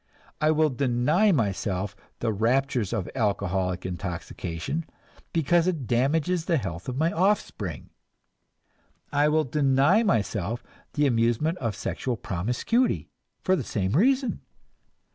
I will deny myself the raptures of alcoholic intoxication, because it damages the health of my offspring; I will deny myself the amusement of sexual promiscuity for the same reason.